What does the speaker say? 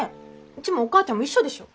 うちもお母ちゃんも一緒でしょ。